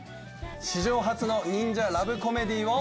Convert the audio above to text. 史上初の忍者ラブコメディーを。